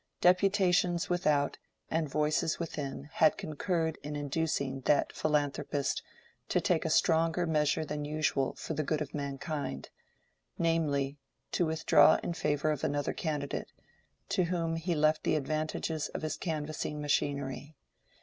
Deputations without and voices within had concurred in inducing that philanthropist to take a stronger measure than usual for the good of mankind; namely, to withdraw in favor of another candidate, to whom he left the advantages of his canvassing machinery.